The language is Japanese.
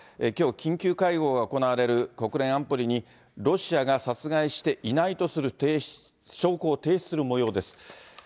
きょう、緊急会合が行われる国連安保理に、ロシアが殺害していないとする証拠を提出するもようです。